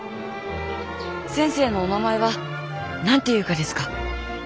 先生のお名前は何ていうがですか？